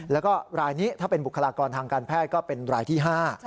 แล้วก็รายนี้ถ้าเป็นบุคลากรทางการแพทย์ก็เป็นรายที่๕